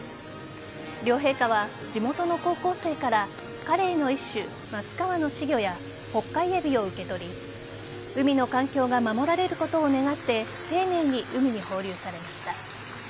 両陛下は地元の高校生からカレイの一種・マツカワの稚魚やホッカイエビを受け取り海の環境が守られることを願って丁寧に海に放流されました。